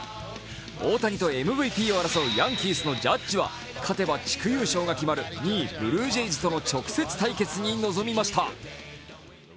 大谷とＭＶＰを争うヤンキースのジャッジは勝てば地区優勝が決まる２位・ブルージェイズとの直接対決に臨みました。